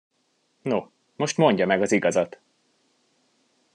No, most mondja meg az igazat!